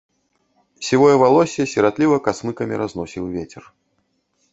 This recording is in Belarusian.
Сівое валоссе сіратліва касмыкамі разносіў вецер.